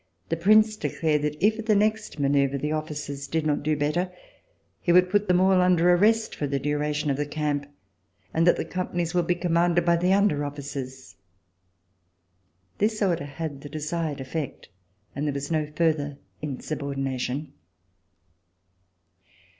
The Prince declared that if, at the next manoeuvre, the officers did not do better, he would put them all under arrest for the duration of the camp, and that the companies would be commanded by the under EVE OF THE REVOLUTION officers. This order had the desired effect and there was no further insubordination.